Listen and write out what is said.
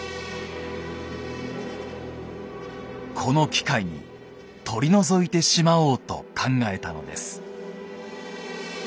この機会に取り除いてしまおうと考えたのです。